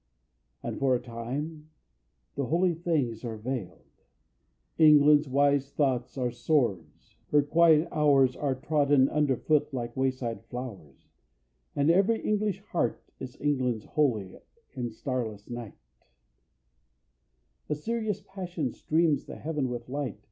And for a time the holy things are veiled. England's wise thoughts are swords; her quiet hours Are trodden underfoot like wayside flowers, And every English heart is England's wholly. In starless night A serious passion streams the heaven with light.